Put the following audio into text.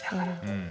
うん。